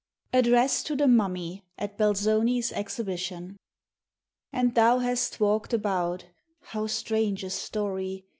ADDRESS TO THE MUMMY AT BELZONFS EXHIBITION. And thou hast walked about (how strange a story!)